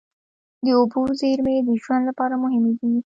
د اوبو زیرمې د ژوند لپاره مهمې دي.